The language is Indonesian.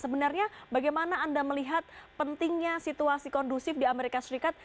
sebenarnya bagaimana anda melihat pentingnya situasi kondusif di amerika serikat